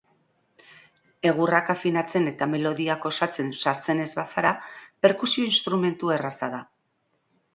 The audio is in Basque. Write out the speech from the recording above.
Egurrak afinatzen eta melodiak osatzen sartzen ez bazara, perkusio instrumentu erraza da.